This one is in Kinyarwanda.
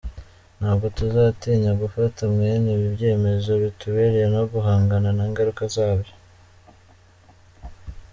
Ntabwo tuzatinya gufata mwene ibi byemezo bitubereye no guhangana n’ingaruka zabyo.